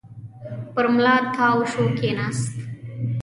پر ملا تاو شو، کېناست.